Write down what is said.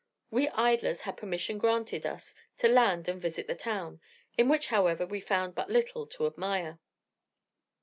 We idlers had permission granted us to land and visit the town, in which, however, we found but little to admire.